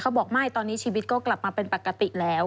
บอกไม่ตอนนี้ชีวิตก็กลับมาเป็นปกติแล้ว